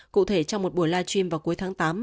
cụ thể trong một buổi live stream vào cuối tháng tám